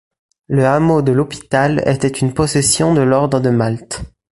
Le hameau de l'hôpital était une possession de l'ordre de Malte.